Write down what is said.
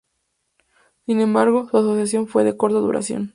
Sin embargo, su asociación fue de corta duración.